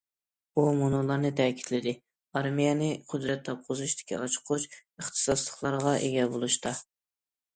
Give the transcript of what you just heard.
ئۇ مۇنۇلارنى تەكىتلىدى: ئارمىيەنى قۇدرەت تاپقۇزۇشتىكى ئاچقۇچ ئىختىساسلىقلارغا ئىگە بولۇشتا.